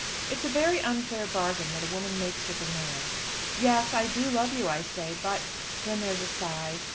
It's a very unfair bargain that a woman makes with a man. "Yes; I do love you," I say, "but " Then there's a sigh.